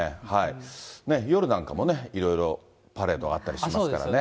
夜なんかもね、いろいろパレードがあったりしますからね。